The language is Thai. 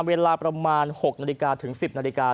เวลาประมาณ๖นาฬิกาถึง๑๐นาฬิกา